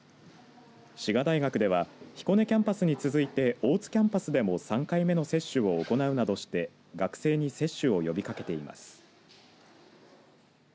滋賀大学では彦根キャンパスに続いて大津キャンパスでも３回目の接種を行うなどして学生に接種を呼びかけています。